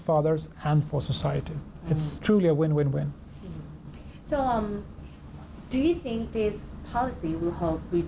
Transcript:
เพื่อสาวสาวและสัตว์มันเป็นความสำเร็จ